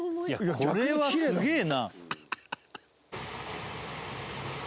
「これはすげえな」